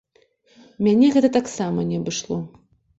Мяне гэта таксама не абышло.